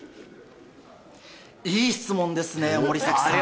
いい質問ですね、森崎さん。